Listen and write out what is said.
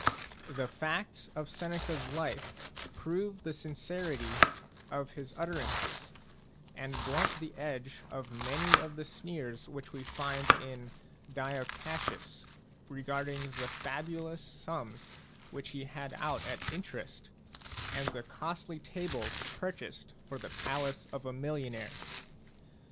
The facts of Seneca's life prove the sincerity of his utter ances, and blunt the edge of many of the sneers which we find in Dio Cassius, regarding the fabulous sums which he had out at interest and the costly tables purchased for the palace of a millionaire.